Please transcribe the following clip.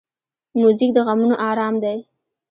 موزیک د غمونو آرام دی.